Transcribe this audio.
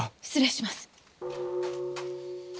失礼します。